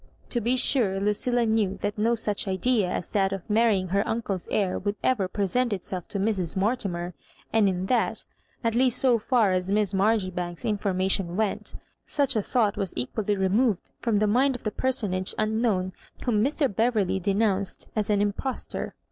To be sure, Lucilla knew that no such idea as that of marrying her uncle's heir would ever present itself to Mrs. Mortimer ; and that — at least so far as Miss MarjoribanksV in formation went — such a thought was equally removed ttom the mind of the personage un known, whom Mr. Beverley denounced as an im postor.